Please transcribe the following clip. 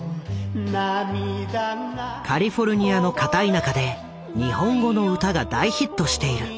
カリフォルニアの片田舎で日本語の歌が大ヒットしている。